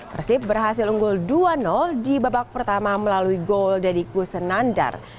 persib berhasil unggul dua di babak pertama melalui gol dedikus nandar